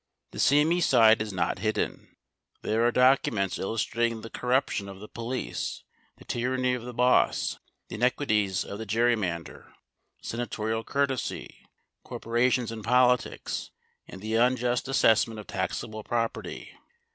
The seamy side is not hidden. There are documents illustrating the corruption of the police, the tyranny of the boss, the iniquities of the gerrymander, senatorial courtesy, corporations in politics and the unjust assessment of taxable property.